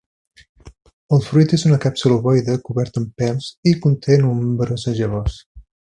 El fruit és una càpsula ovoide coberta amb pèls i conté nombroses llavors.